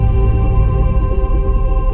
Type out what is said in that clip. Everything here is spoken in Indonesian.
kauagar atau tidak